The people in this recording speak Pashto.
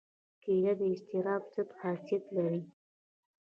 کېله د اضطراب ضد خاصیت لري.